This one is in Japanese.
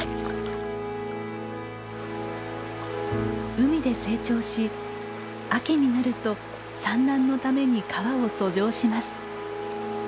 海で成長し秋になると産卵のために川を遡上します。